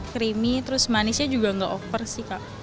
creamy terus manisnya juga nggak over sih kak